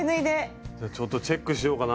じゃあちょっとチェックしようかな。